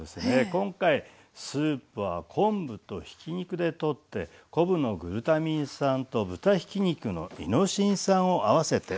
今回スープは昆布とひき肉でとって昆布のグルタミン酸と豚ひき肉のイノシン酸を合わせて。